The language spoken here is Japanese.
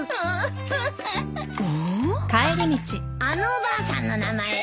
あのおばあさんの名前